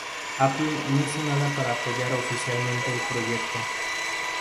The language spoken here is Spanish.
Apple no hizo nada para apoyar oficialmente el proyecto.